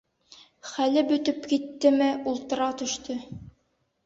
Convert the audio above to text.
Хәле бөтөп киттеме, ултыра төштө.